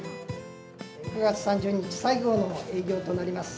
９月３０日、最後の営業となります。